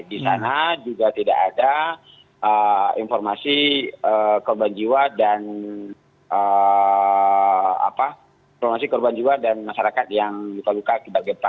di sana juga tidak ada informasi korban jiwa dan masyarakat yang luka luka akibat gempa